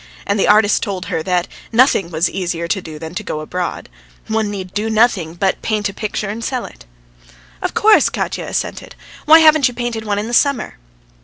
And the artist told her that nothing was easier than to go abroad. One need do nothing but paint a picture and sell it. "Of course!" Katya assented. "Why haven't you painted one in the summer?"